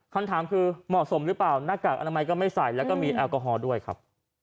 คำถามคือเหมาะสมหรือเปล่าหน้ากากอนามัยก็ไม่ใส่แล้วก็มีแอลกอฮอล์ด้วยครับ